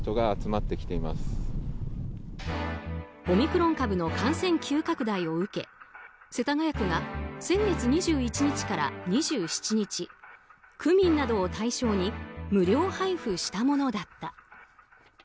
オミクロン株の感染急拡大を受け世田谷区が先月２１日から２７日区民などを対象に無料配布したものだった。